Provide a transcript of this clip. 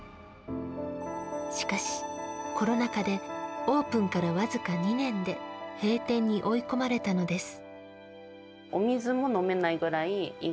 しかし、コロナ禍でオープンから僅か２年で閉店に追い込まれたのです。